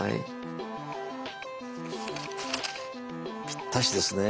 ぴったしですね。